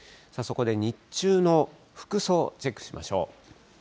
そこで日中の服装、チェックしましょう。